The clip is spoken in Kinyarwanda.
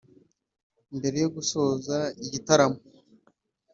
Mbere yo gusoza igitaramo